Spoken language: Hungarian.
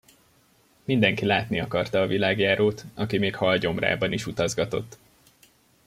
Mindenki látni akarta a világjárót, aki még hal gyomrában is utazgatott.